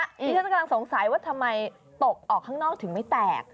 ที่ฉันกำลังสงสัยว่าทำไมตกออกข้างนอกถึงไม่แตก